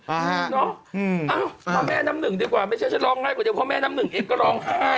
เอามาแม่น้ำหนึ่งดีกว่าไม่ใช่ฉันร้องไห้กว่าเดียวเพราะแม่น้ำหนึ่งเองก็ร้องไห้